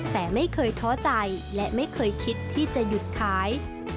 แต่ไม่เคยท้อใจและไม่เคยคิดที่จะหยุดขาย